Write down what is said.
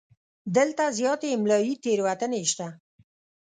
دلته زیاتې املایي تېروتنې شته.